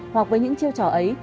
hoặc với những chiêu trò ấy